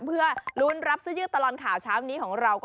เพื่อลุ้นรับเสื้อยืดตลอดข่าวเช้านี้ของเรา